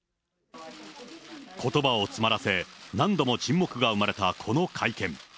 ことばを詰まらせ、何度も沈黙が生まれたこの会見。